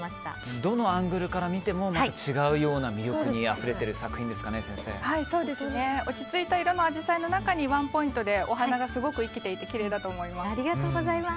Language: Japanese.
どのアングルから見ても違うような魅力に落ち着いた色のアジサイの中にワンポイントでお花が生きていて美しいと思います。